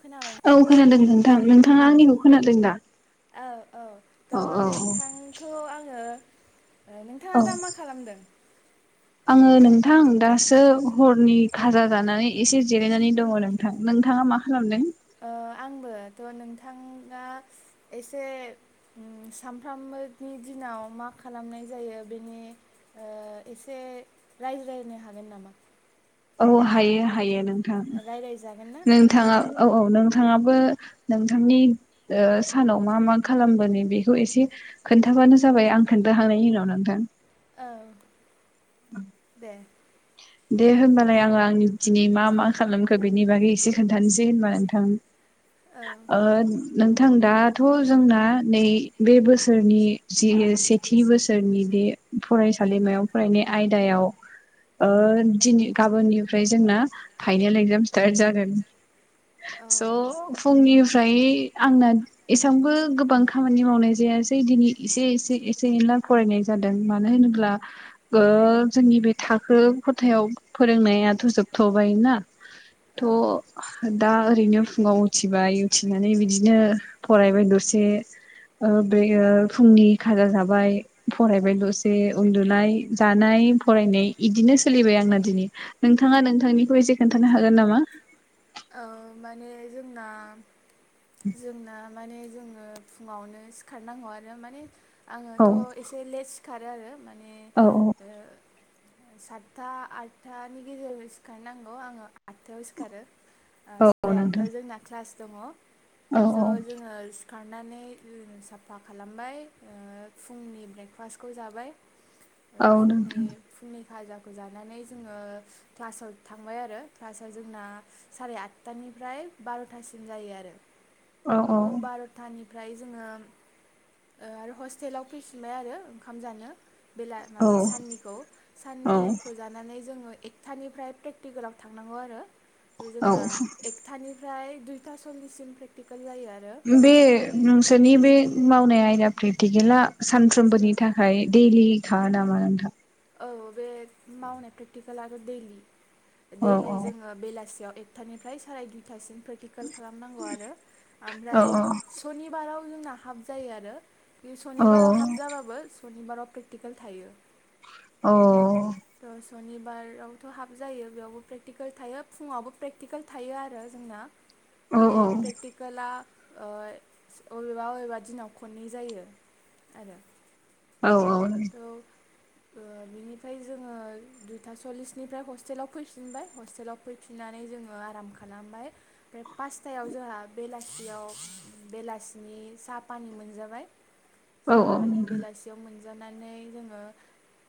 खोनाबायना औ खोनादों नोंथां नोंथाङा आंनिखौ खोनादों दा औ औ औ थ' औ नोंथांखौ आङो औ नोंथाङा दा मा खालामदों आङो नोंथां दासो हरनि खाजा जानानै एसे जिरायनानै दङ नोंथां नोंथाङा मा खालामदों आंबो थ' नोंथाङा एसे सामफ्राम नि दिनाव मा खालामनाय जायो बेनि एसे रायज्लाय। नो हागोन नामा? औ हायो हायो नोंथां रायज्लायजागोन ना नोंथाङा औ औ नों नोंथाङाबो नोंथांनि ओ सानाव मा मा खालामबोनि बेखौ एसे खोन्था। खोन्थाबानो जाबाय आं खोन्थाखांनायनि उनाव नोंथां। औ। [unintelligible] [unintelligible] दे होनबालाय आङो आं दिनै मा मा खालामखो बेनि बागै एसे खोनथानोसै होनबा नोंथां। औ ओ नोंथां दाथ' जोंना नै बे बोसोरनि जि सेथि बोसोरनि बे फरायसालिमायाव फरायनाय आयदायाव ओ दिनि गाबोननिफ्राय जोंना फाइनाल एक्जाम स्टार जागोन। औ स' फुंनि फ्राय आंना एसेबांबो गोबां खामानि मावनाय जायासै दिनै एसे एसे एसे फरायनाय जादों मानो होनोब्ला जोंनि बे खो ख'थायाव फोरोंनायाथ' जोबथ'बाय ना थ' दा ओरैनो फुङाव उथिबाय उथिनानै बिदिनो फरायबाय दरसे बे फुंनि खाजा जाबाय फरायबाय दसे उन्दुनाय जानाय फरायनाय इदिनो सोलिबाय आंना दिनै नोंथाङा नोंथांनिखौ एसे खोन्थानो हागोन नामा औ माने जोंना जोंना माने जोङो फुङावनो सिखारनांगौ आरो माने आङोथ' एसे लेस खारो आरो माने औ-औ। साटथा आटथानि गेजेराव सिखारनांगौ आङो आटथायाव सिखारो। ओ औ औ सोरि नोंथां आटथायाव' जोंना क्लास दङ औ स' औ जोङो सिखारनानै रुम साफा खालामबाय फुंनि ब्रेकफास्टखौ जाबाय। औ नोंथां फुंनि-फुंनि भाजाखौ जानानै जोङो क्लासाव थांबाय आरो क्लासा जोंना सारि आटथानिफ्राय बारथासिम जायो आरो औ औ ट बारथानि ओमफ्राय जोङो ओ आरो हस्टेलाव फैफिनबाय आरो ओंखाम जानो। बेला औ माबा साननिखौ औ साननिखौ जानानै जोङो एकथानिफ्राय प्रेकटिकेलाव थांनांगौ आरो औ जोंना एकथानिफ्राय दुइथा सल्लिससिम प्रेक्टिकेल जायो आरो बे नोंसोरनि औ बे मावनाय आयदा प्रेक्टिकेला सानफ्रोमबोनि थाखाय दैयेलिखा नामा नोंथां? औ बे मावनाय प्रेक्टिकेला आरो दैलि औ दैलि जोङो बेलासियाव एकथानिफ्राय साराय दुइथासिम प्रेकटिकेल खालामनांगौ आरो ओमफ्राय औ सनिबाराव जोंना हाब जायो आरो बे औ सनिबाराव हाब जाबाबो सनिबाराव प्रेक्टिकेल थायो। अ [unintelligible] सनिबारावथ' हाब जायो बेयावबो प्रेकटिकेल थायो फुङावबो प्रेकटिकेल थायो आरो जोंना। माने औ प्रेक्टिकेला ओ अबेबा अबेबा दिनाव खननै जायो आरो। औ औ नों ओ बिनिफ्राय जोङो दुइथा सल्लिसनिफ्राय हस्टेलाव फैफिनबाय हस्टेलाव फैफिन नानै जोङो आराम खालामबाय ओमफ्राय पासतायाव जोंङा बेलासेयाव बेलासे नि साहा पानि मोनजाबाय औ साहा पानि बेलासेयाव मोनजानानै जानानै जोङो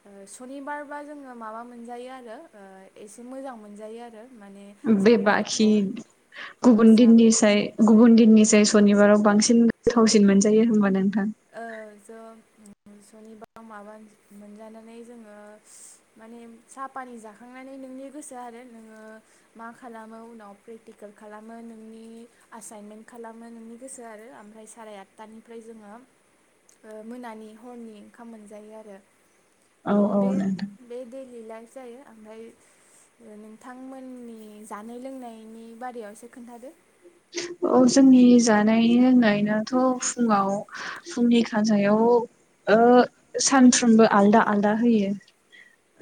ओ सनिबारबा जोङो माबा मोनजायो आरो ओ एसे मोजां मोनजायो आरो। माने बे साहा पानिखौ बाखि गुबुन सा दिननिसाय गुबुन दिननिसाय सनिबाराव बांसिन गोथावसिन मोनजायो होनबा नों औ जब सनिबा माबा मोनजानानै जोङो माने साहा पानि जाखांनानै नोंनि गोसो आरो नोङो मा खालामो उनाव प्रेकटिकेल खालामो नोंनि आसा एसेनमेन्ट खालामो नोंनि गोसो आरो ओमफ्राय सारे आटथानिफ्राय जोङो ओ मोनानि हरनि ओंखाम मोनजायो आरो। औ औ त' बे नोंथां बे देलि लाइफ जायो ओमफ्राय नोंथांमोननि जानाय लोंनायनि बारायाव एसे खोन्थादो। [inaudible] औ जोंनि जानाय लोंनायाथ' फुङाव फुंनि खाजायाव ओ सानफ्रोमबो आलदा आलदा होयो।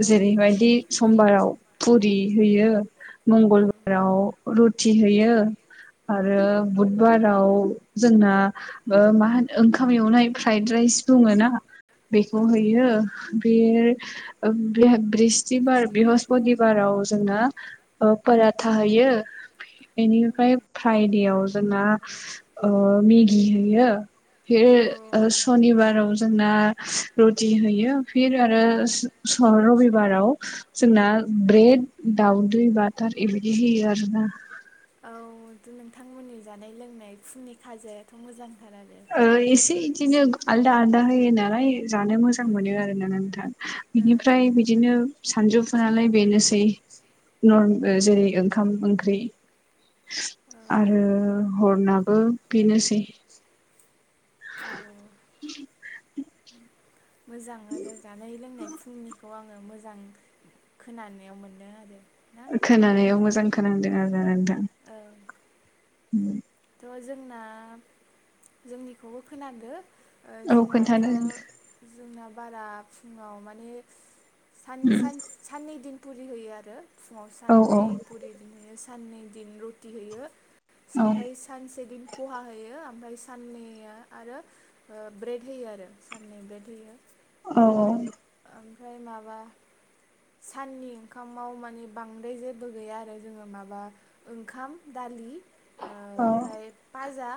औ जेरै बायदि समबाराव पुरि होयो औ मंगलबाराव रुटि होयो आरो औ बुधबाराव जोंना ओ मा होनो ओंखाम एवनाय फ्राइ राइस बुङोना बेखौ औ औ होयो बे ओ ब्रि ब्रिस्तिबाराव बेहस्पतिबाराव जोंना ओ फोरा थाहोयो बेनिफ्राय फ्रायदेयाव जोंना ओ मेगि हैयो फिर ओ सु सनिबाराव जोंना रुटि होयो फिर आरो रबिबाराव जोंना ब्रेड दाउदै बाटार एबायदि होयो आरो ना। औ नोंथांमोननि जानाय लोंनाय फुंनि खाजायाथ' मोजां ओ एसे इदिनो आलदा आलदा हो होयो नालाय जानो मोजां मोनो आरो ना नोंथां ओ बिनिफ्राय बिदिनो सानजौफु नालाय बेनोसै नरम जेरै ओ ओंखाम ओंख्रि ओ आरो हरनाबो बेनोसै औ [inaudible] मोजां आरो जानाय लोंनाय फुंनिखौ आङो मोजां खोनानायाव मोनदों आरो। ना खोनानायाव मोजां खोनादों आरो नोंथां। ओ उम त' जोंना जोंनिखौबो खोनादों ओ औ जोंनाथ' खोन्थानो जोंना बारा फुङाव माने सान सान साननै दिन पुरि होयो आरो फुङाव औ साननै पुरि होयो। साननै दिन रुटि होयो औ ओमफ्राय से दिन पहा होयो ओमफ्राय साननैया आरो ब्रेड होयो आरो साननै ब्रेड होयो। त' औ ओमफ्राय माबा साननि ओंखामाव माने बांद्राय जेबो गैया आरो जोङो माबा ओंखाम दालि औ भाजा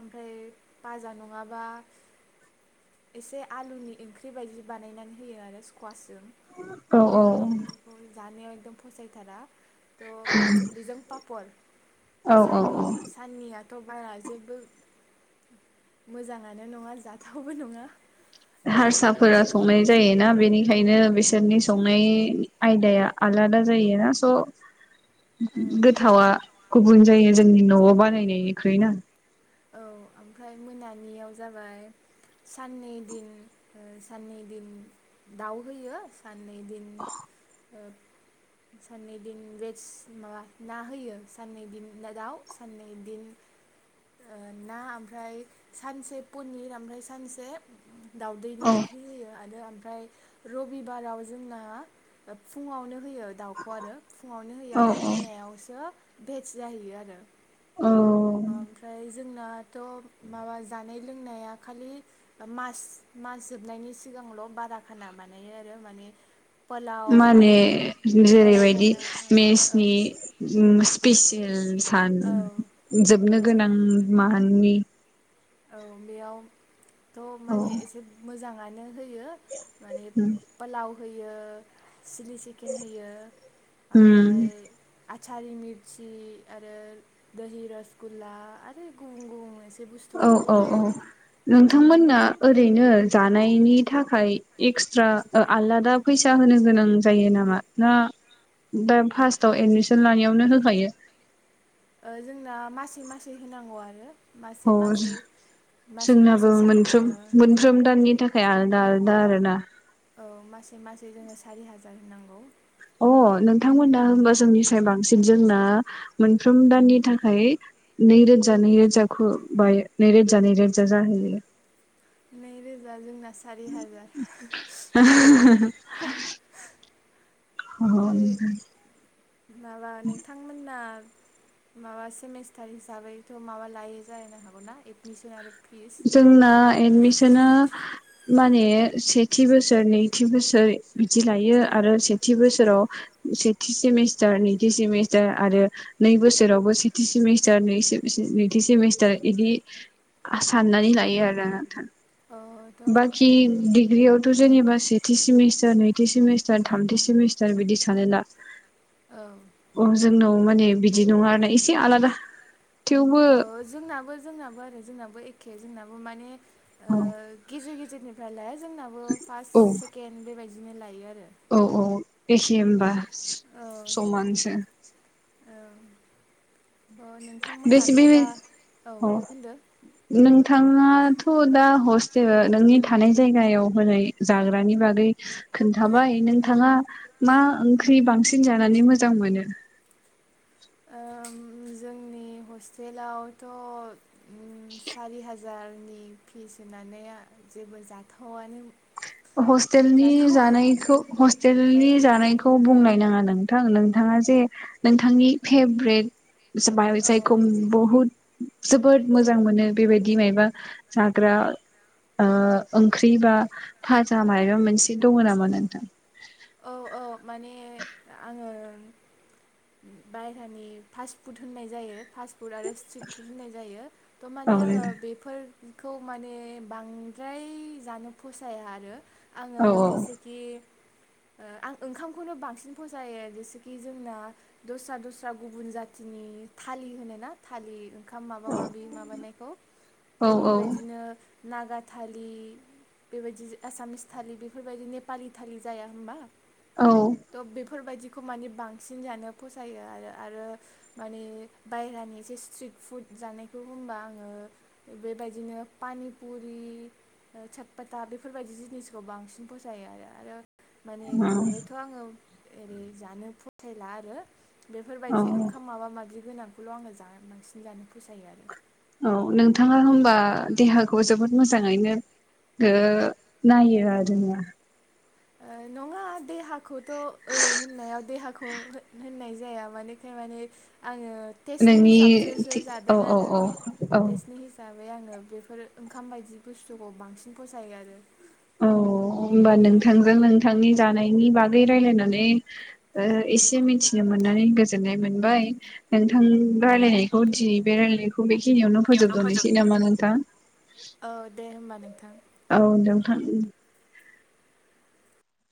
ओमफ्राय भाजा नङाबा एसे आलुनि ओंख्रि बायदि बानायनानै होयो आरो स्कवास जों औ ओ बेखौ जानायाव एकदम फसायथारा। त बेजों पापर औ औ साननि साननिया त' बारा जेबो मोजाङानो नङा जाथावबो नङा। ओ हारसाफोरा संनाय जायोना बेनिखायनो बिसोरनि संनाय आयदाया आलादा जायोना स' औ गोथावा गुबुन जायो जोंनि न'आव बानायनायनिख्रुइना औ ओमफ्राय मोनानियाव जाबाय साननै दिन ओ साननै दिन दाउ होयो [unintelligible] औ साननै दिन भेज माबा ना होयो साननै दिन ना दाउ साननै दिन [unintelligible] ओ ना ओमफ्राय सानसे पनिर ओमफ्राय सानसे दाउदैनि औ ओंख्रि होयो आरो ओमफ्राय रबिबाराव जोंना फुङावनो होयो दाउखौ आरो फुङावनो होयो औ ओमफ्राय औ मोनायावसो भेज जाहैयो आरो औ ओमफ्राय जोंनाथ' माबा जानाय लोंनाया खालि मास मास जोबनायनि सिगांल' बारा खाना बानायो आरो माने पोलाव माने बारा जेरैबायदि खाना औ मेसनि स्पेसिल सान औ जोबनो औ गोनां माननि औ बेयावथ' औ माने एसे मोजाङानो होयो माने पोलाव होयो सिलि चिकेन होयो उम ओमफ्राय आचारि मिरचि आरो दोहि रसगुल्ला आरो गुबुन-गुबुन एसे औ बुस्थुखौ औ होबाय औ आरो नोंथांमोना ओरैनो जानायनि थाखाय एक्सट्रा आलादा फैसा होनो गोनां जायोनामा नामा ना दा फासटआव एदमिसन लानायावनो होखायो ओ जोंना मासे-मासे होनांगौ आरो मासै मासै मासै मासै जोंनाबो सा मोनफ्र ओ मोनफ्रोम दाननि थाखाय आलादा दा आरोना औ मासेै मासेै जोङो सारि हाजार होनांगौ अ नोंथांमोना होनबा जोंनिफ्राय बांसिन जोंना मोनफ्रोम दाननि थाखाय नैरोजा नैरोजाखौ [inaudible] नैरोजा नैरोजा जाहैयो नैरोजा जोंना सारि हाजार ओमफ्राय अ माबा नोंथांमोनना माबा सेमिस्टार हिसाबैथ' माबा लायो जाहैनो हागौना एदमिसन आरो फिस जोंना एडमिसना माने सेथि बोसोर नैथि बोसोर बिदि लायो आरो सेथि बोसोराव सेथि सेमिस्टार नैथि सेमिस्टार आरो नै बोसोरावबो सेथि सेमिस्टार नै सेमिस्टार नैथि सेमिस्टार बिदि साननानै लायो आरो नोंथां औ थ' बाखि डिग्रियावथ' औ जेनेबा सेथि सेमिस्टार थि सेमिस्टार थामथि सेमिस्टार बिदि सानो दा औ अ जोंनाव माने बिदि नङा आरो ना इसे आलादा थेवबो जोंनाबो जोंनाबो आरो जोंनाबो एखे जोंनाबो माने गेजेर गेजेर [inaudible] निफ्राय लाया जोंनाबो फार्स्ट औ सेकेणड बेबायदिनो लायो आरो औ औ एखे होमबा औ समानसो औ औ बेसे नोंथांमोनाथ' बे दा औ होनदो नोंथाङाथ' दा हस्प जेनेबा नोंनि थानाय जायगायाव होनाय जाग्रानि बागै खोन्थाबाय नोंथाङा मा ओंख्रि बांसिन जानानै मोजां मोनो जों [inaudible] हस्टेलावथ' सारि हाजारनि फिस होनानै जेबो जाथावानो हस्टेलनि जाथावा जानायखौ हस्टेलनि जानायखौ बुंनाय नाङा नों नोंथां नोंथाङा जे नोंथांनि फेबरेट औ जायखौ बुहुद जोबोद मोजां मोनो बेबायदि मायबा जाग्रा ओ ओंख्रि बा भाजा मायबा मोनसे दङ नामा नोंथां? औ औ माने आङो बायहेरानि फास्ट फुड होननाय जायो फास्ट फुड आरो स्ट्रिट फुड होननाय जायो थ' औ माने आङो बेफोर खौ माने बांद्राय जानो फसाया आरो आङो औ जेसेखि ओ आं [inaudible] ओंखामखौनो बांसिन फसायो जेसेखि जोंना दस्रा दस्रा गुबुन जाथिनि थालि होनो ना थालि ओंखाम माबा माबि माबानायखौ औ त' बेबायदिनो नागा थालि बेबायदि एसामिस थालि बेफोरबायदि नेपालि थालि जाया होमबा औ त' बेफोरबायदि खौ माने बांसिन जानो फसायो आरो आरो माने बायहेरानि एसे स्ट्रिट फुड जानायखौ होनबा आङो बेबायदिनो पानिपुरि साबपाता बेफोरबायदि जिनिसखौ बांसिन फसायो आरो आरो माने औ बांद्रायथ' आङो ओरै जानो फसायला आरो बेफोरबायदि औ ओंखाम माबा माबि गोनांखौल' आङो बांसिन जानो फसायो आरो थाङा होमबा देहाखौ जोब बहुद मोजाङैनो ओ नायो आरो ना नङा देहाखौथ' ओरै होननायाव देहा खौथ' होननाय जाया माने आं टेस्टनि नोंनि हिसाबैसो औ जादों औ आरो औ औ टेस्टनि हिसाब ओमफ्राय आङो बेफोर ओंखाम बायदि बुस्थुखौ बांसिन फसायो आरो अ होमबा खिन्थु नोंथांजों नों बिथांनि जानायनि बागै रायलायनानै ओ एसे मिथिनो मोननानै गोजोननाय मोनबाय नोंथां रायलायनायखौ दिनै बे रायलायनायखौ बेखिनियावनो बेयावनो फोजोब फोजोबथ'नोसै नामा नोंथां औ दे होम्बा नोंथां औ नोंथां